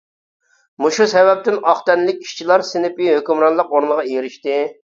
مۇشۇ سەۋەبتىن ئاق تەنلىك ئىشچىلار سىنىپى ھۆكۈمرانلىق ئورنىغا ئېرىشتى.